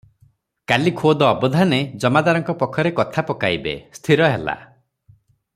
କାଲି ଖୋଦ ଅବଧାନେ ଜମାଦାରଙ୍କ ପଖରେ କଥା ପକାଇବେ, ସ୍ଥିର ହେଲା ।